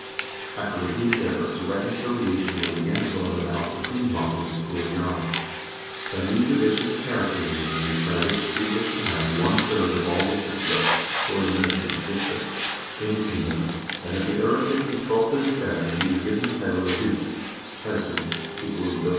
After repeated efforts a reconciliation was again brought about between Haakon and Skule Jarl. A new division of territory was made by which Skule should have one third of all the sysler, or administrative districts, in the kingdom, and at the 0rething in 1237 he was given the title of duke (hertug = dux).